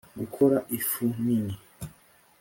gukora ifu nini